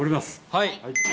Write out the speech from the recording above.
はい！